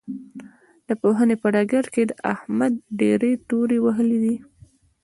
د پوهنې په ډګر کې احمد ډېرې تورې وهلې دي.